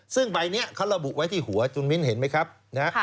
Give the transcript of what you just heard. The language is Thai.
ซึ่งใบนี้เขาระบุไว้ที่หัวจุนมิ้นเห็นไหมครับนะฮะ